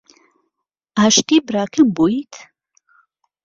عاشقی براکەم بوویت؟